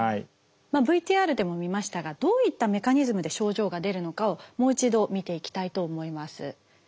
ＶＴＲでも見ましたがどういったメカニズムで症状が出るのかをもう一度見ていきたいと思います。